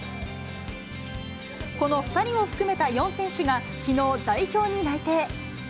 この２人を含めた４選手がきのう、代表に内定。